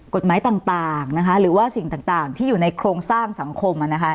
กฎหมายต่างนะคะหรือว่าสิ่งต่างที่อยู่ในโครงสร้างสังคมนะคะ